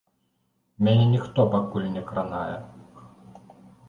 Мяне ніхто пакуль не кранае.